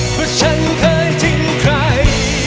ว่าฉันเคยทิ้งใคร